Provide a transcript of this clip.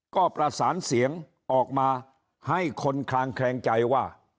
ก็ประสานเสียงออกมาให้คนคลางแคลงใจว่า